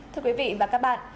thưa quý vị và các bạn